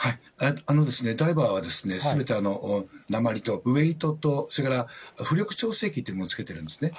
ダイバーはすべて鉛と、ウエイトとそれから浮力調整器というものをつけてるんですね。